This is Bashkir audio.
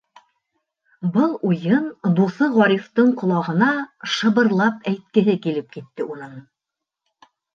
Был уйын дуҫы Ғарифтың ҡолағына шыбырлап әйткеһе килеп китте уның.